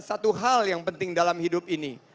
satu hal yang penting dalam hidup ini